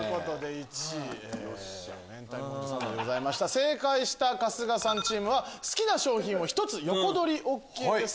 正解した春日さんチームは好きな賞品を１つ横取りＯＫです。